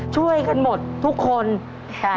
ช่วยกันหมดทุกคนค่ะ